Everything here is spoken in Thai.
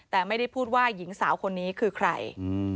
แต่ไม่ได้พูดว่าหญิงสาวคนนี้คือใคร